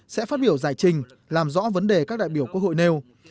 sẽ phát biểu giải trình làm rõ vấn đề các đại biểu quốc hội nêu